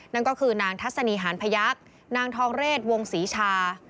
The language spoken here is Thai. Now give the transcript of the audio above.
นั่นก็คือนางทัศนีหานพยักษ์นางทองเรศวงศรีชา